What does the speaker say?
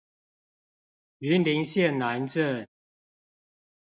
雲林縣南鎮